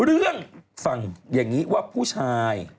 เรื่องฟังอย่างนี้ว่าผู้ชาย